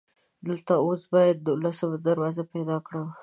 دلته اوس باید دولسمه دروازه پیدا کړم.